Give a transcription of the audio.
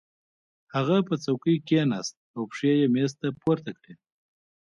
هغه په چوکۍ کېناست او پښې یې مېز ته پورته کړې